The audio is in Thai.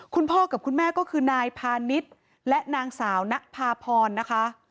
คุณพ่อกับคุณแม่ก็คือนายพาณิชย์และนางสาวณภาพรนะคะ